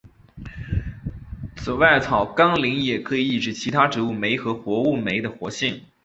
此外草甘膦也可以抑制其他植物酶和动物酶的活性。